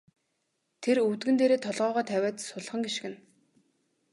Тэр өвдгөн дээрээ толгойгоо тавиад сулхан гиншинэ.